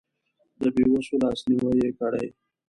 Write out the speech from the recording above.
د بې وسو لاسنیوی یې کړی.